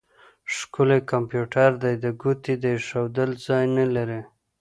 ښکلی کمپيوټر دی؛ د ګوتې د اېښول ځای نه لري.